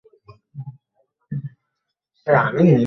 মাথা ঠান্ডা কর!